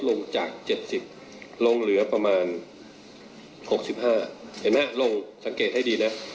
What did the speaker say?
ลงจาก๗๐ลงเหลือประมาณ๖๕เห็นไหมลงสังเกตให้ดีนะ